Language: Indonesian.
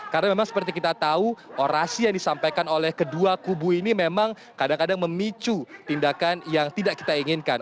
karena memang seperti kita tahu orasi yang disampaikan oleh kedua kubu ini memang kadang kadang memicu tindakan yang tidak kita inginkan